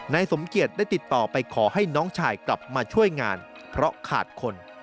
นายสมเกียจได้ติดต่อไปขอให้น้องชายกลับมาช่วยงานเพราะขาดคน